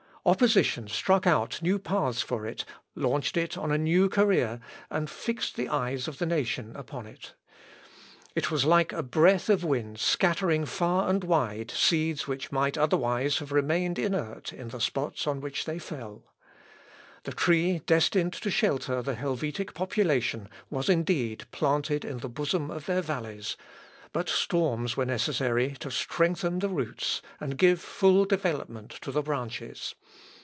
Opposition struck out new paths for it, launched it on a new career, and fixed the eyes of the nation upon it. It was like a breath of wind scattering far and wide seeds which might otherwise have remained inert in the spots on which they fell. The tree destined to shelter the Helvetic population was indeed planted in the bosom of their valleys, but storms were necessary to strengthen the roots and give full development to the branches.